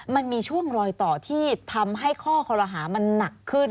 มันมีช่วงรอยต่อที่ทำให้ข้อคอรหามันหนักขึ้น